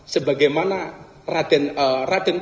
sebagaimana raden patah dikawal wali songo